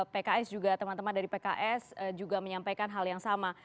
pks juga teman teman dari pks juga menyampaikan hal yang sama